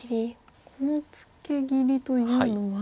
このツケ切りというのは。